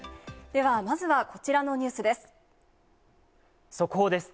では、まずはこちらのニュー速報です。